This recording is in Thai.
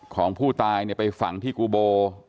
ของผู้ตายไปฝังที่กูโบ